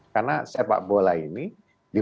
karena sepak bola ini